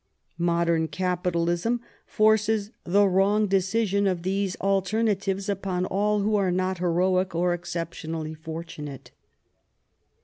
Modern capitalism forces the wrong decision of these alternatives upon all who are not heroic or exceptionally fortunate.